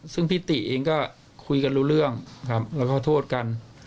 สิทธิ์เองก็คุยกันรู้เรื่องแล้วก็โทษกัน